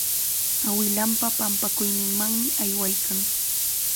Awilanpa pampakuyninmanmi aywaykan.